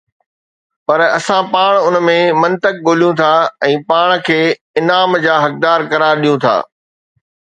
پر اسان پاڻ ان ۾ منطق ڳوليون ٿا ۽ پاڻ کي انعام جا حقدار قرار ڏيون ٿا